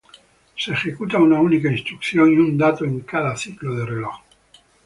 Se ejecuta una única instrucción y un dato en cada ciclo de reloj.